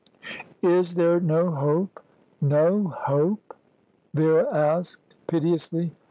"Is there no hope no hope?" Vera asked piteously.